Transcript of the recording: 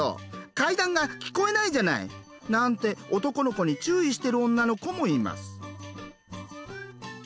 怪談が聞こえないじゃない！」なんて男の子に注意してる女の子もいます。